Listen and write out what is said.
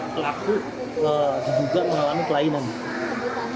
pelaku juga mengalami kelainan